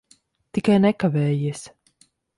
Tikai nekavējies.